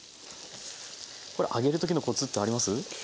これ揚げる時のコツってあります？